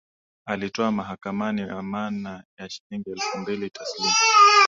Alitoa mahakamani amana ya shilingi elfu mbili taslim